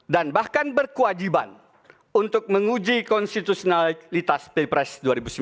dan bahkan berkewajiban untuk menguji konstitusionalitas pilpres dua ribu sembilan belas